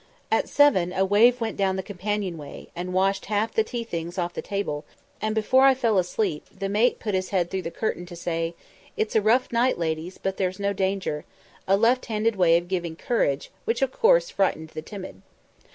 At seven a wave went down the companion way, and washed half the tea things off the table, and before I fell asleep, the mate put his head through the curtain to say, "It's a rough night, ladies, but there's no danger"; a left handed way of giving courage, which of course frightened the timid.